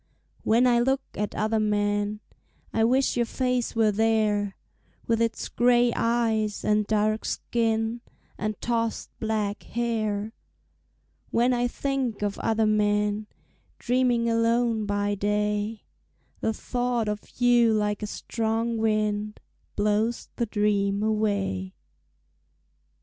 When I look at other men, I wish your face were there, With its gray eyes and dark skin And tossed black hair. When I think of other men, Dreaming alone by day, The thought of you like a strong wind Blows the dreams away.